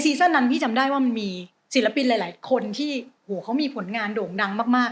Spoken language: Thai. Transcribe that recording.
ซีซ่อนนั้นพี่จำได้ว่ามีศิลปินหลายคนที่มีผลงานโด่งดังมาก